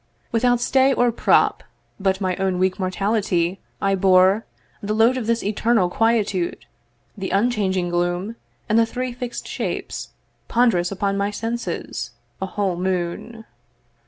Without stay or prop But my own weak mortality, I bore The load of this eternal quietude, The unchanging gloom, and the three fixed shapes Ponderous upon my senses, a whole moon.